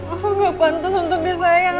aku gak pantas untuk disayang